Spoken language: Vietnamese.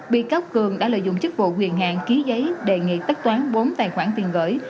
bị cáo cường đã lợi dụng chức vụ quyền hạn ký giấy đề nghị tất toán bốn tài khoản tiền gửi